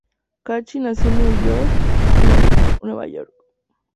Cahill nació en New York City, Nueva York.